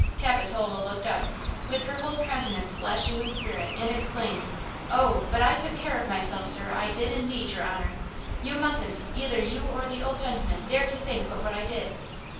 Capitola looked up, with her whole countenance flashing with spirit, and exclaimed: "Oh! but I took care of myself, sir! I did, indeed, your honor! You mustn't, either you or the old gentleman, dare to think but what I did!"